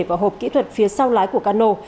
vào hộp kỹ thuật phía sau lái của cano